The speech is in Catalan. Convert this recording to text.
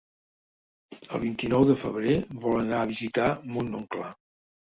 El vint-i-nou de febrer vol anar a visitar mon oncle.